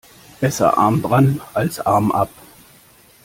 Besser arm dran als Arm ab.